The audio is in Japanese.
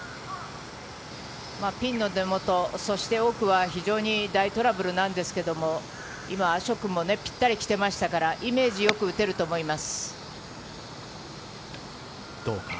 ピンの根元、多くはライトラブルなんですけど、アショクもぴったり来てましたから、イメージよく打てると思います。